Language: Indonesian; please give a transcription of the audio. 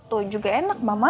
tuh juga enak mama